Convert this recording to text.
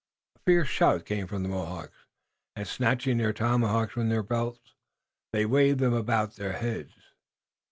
A fierce shout came from the Mohawks, and, snatching their tomahawks from their belts, they waved them about their heads.